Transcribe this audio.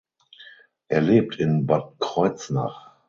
Er lebt in Bad Kreuznach.